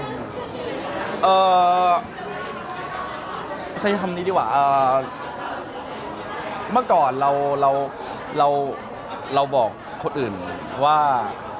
บ๊วยเออใช่คำนี้ดีกว่ามาก่อนเราบอกคนอื่นว่า